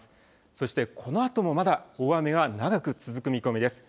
そして、このあともまだ大雨が長く続く見込みです。